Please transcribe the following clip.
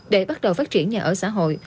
để bắt đầu phát triển nhà ở xã hội